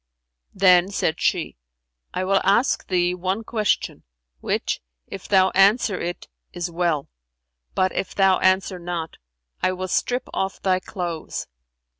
Then said she, "I will ask thee one question, which if thou answer it is well; but if thou answer not, I will strip off thy clothes."